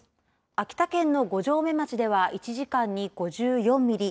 秋田県の五城目町では１時間に５４ミリ。